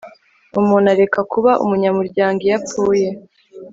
Umuntu areka kuba umunyamuryango iyo apfuye